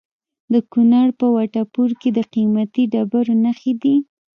د کونړ په وټه پور کې د قیمتي ډبرو نښې دي.